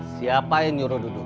siapa yang nyuruh duduk